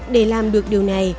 để làm được điều này